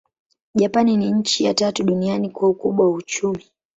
Japani ni nchi ya tatu duniani kwa ukubwa wa uchumi.